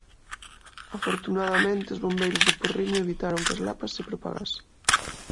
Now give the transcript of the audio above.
Afortunadamente os bombeiros do Porriño evitaron que as lapas se propagasen.